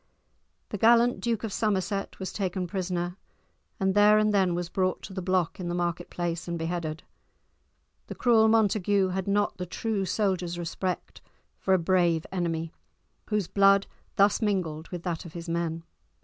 The gallant Duke of Somerset was taken prisoner, and there and then was brought to the block in the market place and beheaded. The cruel Montague had not the true soldier's respect for a brave enemy, whose blood thus mingled with that of his men.